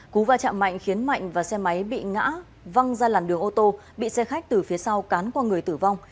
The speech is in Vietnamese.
cú va chạm mạnh khiến mạnh và xe máy bị ngã văng ra làn đường ô tô bị xe khách từ phía sau cán qua người tử vong